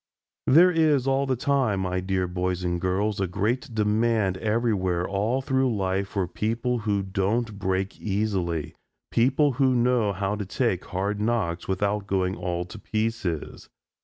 There is all the time, my dear boys and girls, a great demand everywhere all through life for people who don't break easily people who know how to take hard knocks without going all to pieces.